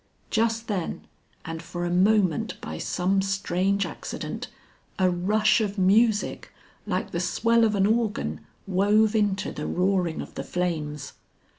Just then, and for a moment by some strange accident, a rush of music, like the swell of an organ, wove into the roaring of the flames.